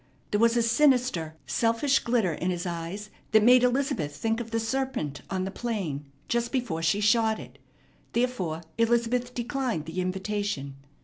There was a sinister, selfish glitter in his eyes that made Elizabeth think of the serpent on the plain just before she shot it. Therefore Elizabeth declined the invitation.